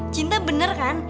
cinta bener kan